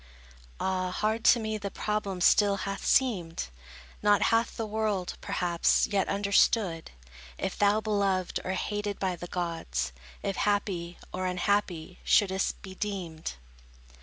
Ah, hard to me the problem still hath seemed; Not hath the world, perhaps, yet understood, If thou beloved, or hated by the gods, If happy, or unhappy shouldst be deemed.